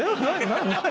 何？